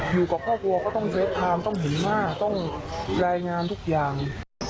อยู่กับครอบครัวก็ต้องเซฟไทม์ต้องเห็นว่าต้องรายงานทุกอย่าง